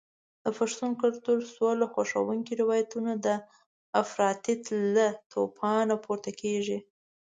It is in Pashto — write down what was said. د پښتون کلتور سوله خوښونکي روایتونه د افراطیت له توپانه پورته کېږي.